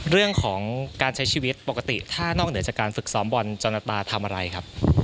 เรื่องของการใช้ชีวิตปกติถ้านอกเหนือจากการฝึกซ้อมบอลจรตาทำอะไรครับ